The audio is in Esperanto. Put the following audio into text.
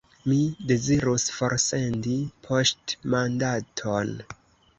Mi dezirus forsendi poŝtmandaton.